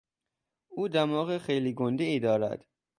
او دماغ خیلی گندهای دارد.